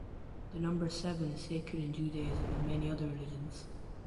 The number seven is sacred in Judaism and many other religions.